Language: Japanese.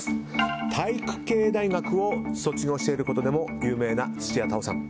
体育系大学を卒業していることでも有名な土屋太鳳さん。